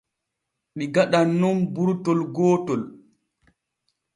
Ɗi gaɗan nun burtol gootol.